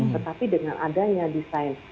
tetapi dengan adanya desain